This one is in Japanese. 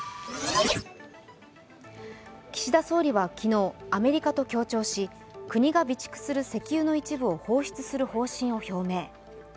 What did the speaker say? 岸田総理は昨日、アメリカと協調し国が備蓄する石油の一部を放出する方針を表明。